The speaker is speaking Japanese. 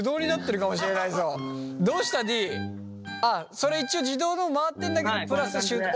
あっそれ一応自動でも回ってんだけどプラス手動で。